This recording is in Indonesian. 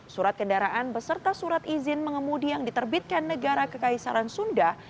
surat kendaraan beserta surat izin mengemudi yang diterbitkan negara kekaisaran sunda